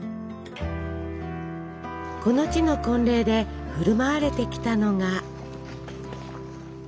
この地の婚礼で振る舞われてきたのが。